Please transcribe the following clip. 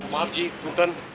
maaf ji bentar